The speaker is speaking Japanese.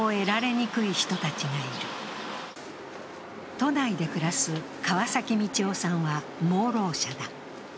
都内で暮らす川崎美知夫さんは盲ろう者だ。